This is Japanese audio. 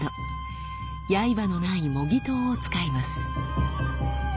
刃のない模擬刀を使います。